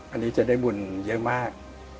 อันนี้จะได้บุญเยอะมาก